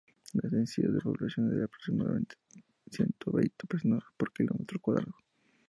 La densidad poblacional es de aproximadamente ciento veinte personas por kilómetro cuadrado.